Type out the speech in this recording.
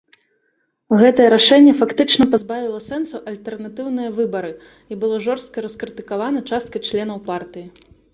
Гэтае рашэнне фактычна пазбавіла сэнсу альтэрнатыўныя выбары і было жорстка раскрытыкавана часткай членаў партыі.